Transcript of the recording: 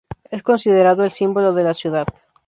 Es considerado el símbolo de la ciudad.